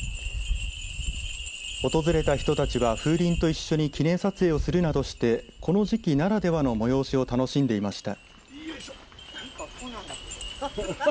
訪れた人たちは風鈴と一緒に記念撮影をするなどしてこの時期ならではの催しを楽しんでいました。